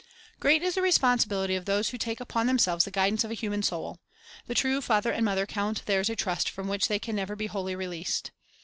Great is the responsibility of those who take upon themselves the guidance of a human soul. The true father and mother count theirs a trust from which they can never be wholly released.